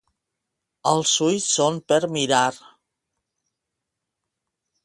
Els ulls són per mirar.